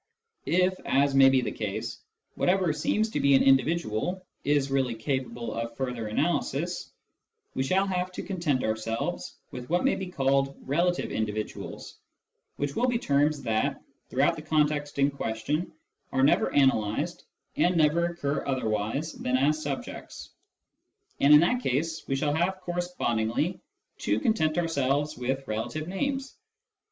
If, as may be the case, whatever seems to be an " individual " is really capable of further analysis, we shall have to content ourselves with what may be called "relative individuals," which will be terms that, throughout the context in question, are never analysed and never occur 174 Introduction to Mathematical Philosophy otherwise than as subjects. And in that case we shall have, correspondingly to content ourselves with " relative names."